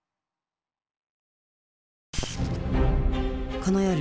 この夜魔